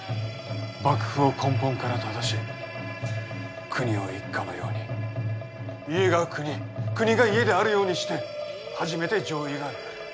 幕府を根本から正し国を一家のように家が国、国が家であるようにして初めて攘夷がなる。